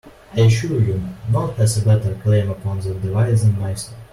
I assure you, none has a better claim upon that device than myself.